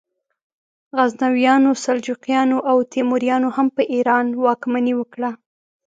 غزنویانو، سلجوقیانو او تیموریانو هم په ایران واکمني وکړه.